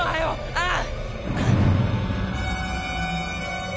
ああ！